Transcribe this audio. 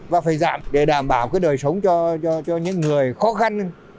và phải giảm để đảm bảo cái đời sống cho những người khó khăn